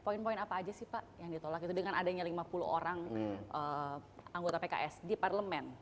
poin poin apa aja sih pak yang ditolak gitu dengan adanya lima puluh orang anggota pks di parlemen